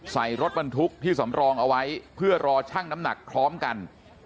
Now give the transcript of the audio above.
ใส่รถบรรทุกที่สำรองเอาไว้เพื่อรอชั่งน้ำหนักพร้อมกัน